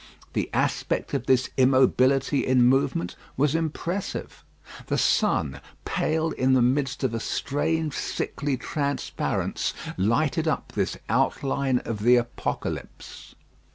The aspect of this immobility in movement was impressive. The sun, pale in the midst of a strange sickly transparence, lighted up this outline of the Apocalypse.